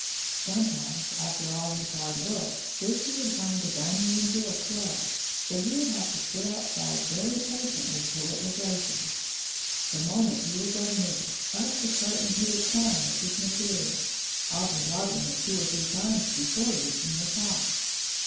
Sometimes, after all his hard work, Bushy would find the dining room door closed, so he would have to sit outside very patiently till it was opened. The moment he was admitted, up the curtain he would climb with his material, often dropping it two or three times before reaching the top.